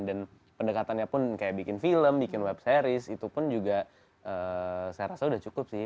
dan pendekatannya pun seperti bikin film bikin web series itu pun juga saya rasa sudah cukup sih